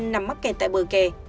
nạn nhân nằm mắc kẹt tại bờ kè